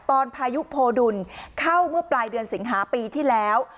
พายุโพดุลเข้าเมื่อปลายเดือนสิงหาปีที่แล้ว